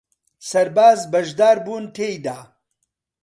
سەرباز بەشدار بوون تێیدا